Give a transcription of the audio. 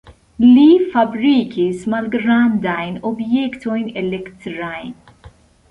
Li fabrikis malgrandajn objektojn elektrajn.